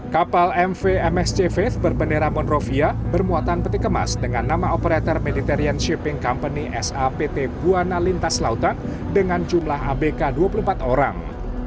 kapal mvmsc vape berbendera monrovia bermuatan peti kemas dengan nama operator meditarian shipping company sapt buana lintas lautan dengan jumlah abk dua puluh empat orang